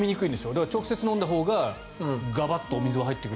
だから、直接飲んだほうがガバッと水は入ってくる。